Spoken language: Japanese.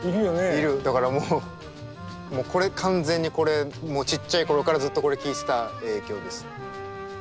だからもうこれ完全にこれもうちっちゃい頃からずっとこれ聴いてた影響です。